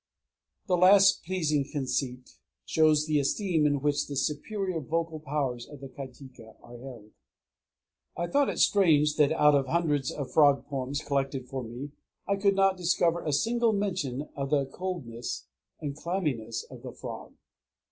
_ The last pleasing conceit shows the esteem in which the superior vocal powers of the kajika are held. III I thought it strange that out of hundreds of frog poems collected for me I could not discover a single mention of the coldness and clamminess of the frog.